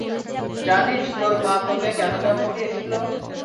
জানিস তোর মা তোকে কেন জন্ম দিয়েছিল?